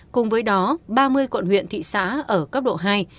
cùng với đó ba mươi quận huyện thị xã ở cấp độ hai